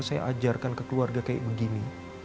saya ajarkan ke keluarga kayak begini